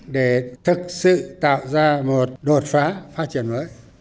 để thực sự tạo ra một đột phá phát triển mới